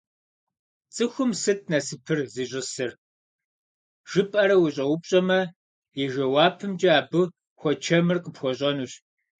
Цӏыхум «сыт насыпыр зищӏысыр?» жыпӏэрэ ущӏэупщӏэмэ, и жэуапымкӏэ абы хуэчэмыр къыпхуэщӏэнущ.